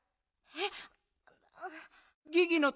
えっ？